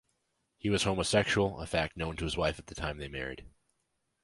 He was homosexual, a fact known to his wife at the time they married.